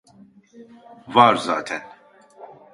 Var zaten.